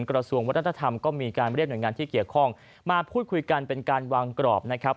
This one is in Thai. กระทรวงวัฒนธรรมก็มีการเรียกหน่วยงานที่เกี่ยวข้องมาพูดคุยกันเป็นการวางกรอบนะครับ